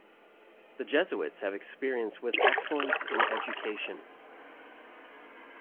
The Jesuits have experience with excellence in education.